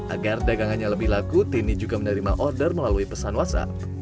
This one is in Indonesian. agar dagangannya lebih laku tini juga menerima order melalui pesan whatsapp